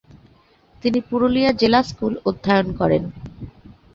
তিনি পুরুলিয়া জেলা স্কুল অধ্যয়ন করেন।